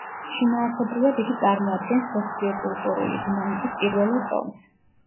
შინაარსობრივად იგი წარმოადგენს „სოციოკულტურული დინამიკის“ პირველ ორ ტომს.